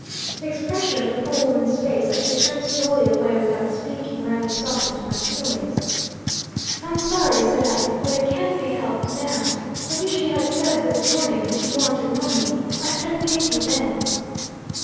"The expression of the poor woman's face, as she turned slowly away, without speaking, rather softened my feelings. "'I'm sorry,' said I 'but, it can't be helped now. I wish you had said, this morning, that you wanted money. I could have paid you then.'